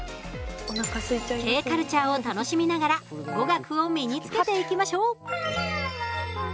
Ｋカルチャーを楽しみながら語学を身につけていきましょう。